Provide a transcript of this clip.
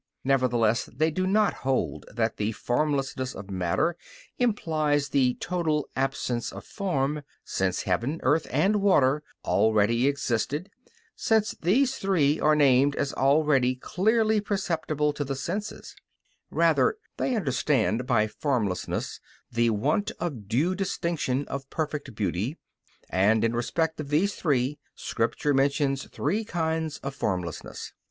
Nevertheless, they do not hold that the formlessness of matter implies the total absence of form, since heaven, earth, and water already existed, since these three are named as already clearly perceptible to the senses; rather they understand by formlessness the want of due distinction and of perfect beauty, and in respect of these three Scripture mentions three kinds of formlessness.